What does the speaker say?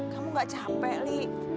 kamu nggak capek li